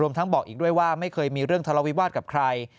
ทั้งบอกอีกด้วยว่าไม่เคยมีเรื่องทะเลาวิวาสกับใคร